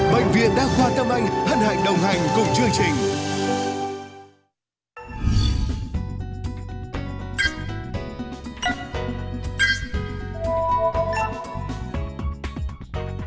bệnh viện đa khoa tâm anh hân hạnh đồng hành cùng chương trình